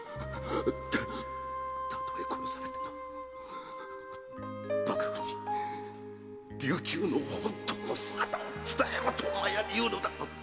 〔たとえ殺されても幕府に琉球の本当の姿を伝えろと麻耶に言うのだ！〕